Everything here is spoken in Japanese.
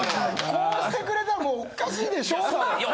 こうしてくれたらもう「おっかしいでしょ」だよ！